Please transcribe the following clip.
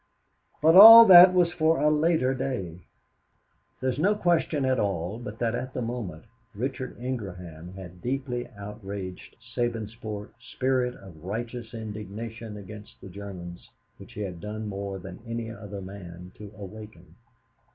But all that was for a later day. There is no question at all but that, at the moment, Richard Ingraham had deeply outraged Sabinsport spirit of righteous indignation against the Germans which he had done more than any other man to awaken.